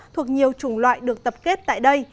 thuộc nhiều chủng loại được tập kết tại đây